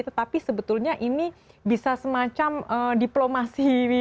tetapi sebetulnya ini bisa semacam diplomasi